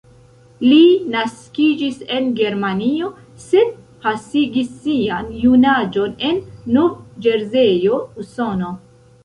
Li naskiĝis en Germanio, sed pasigis sian junaĝon en Nov-Ĵerzejo, Usono.